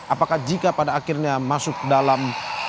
apakah jika pada akhirnya masuk dalam